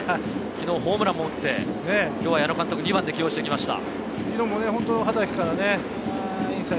昨日ホームランも打って、今日は矢野監督、２番で起用してきました。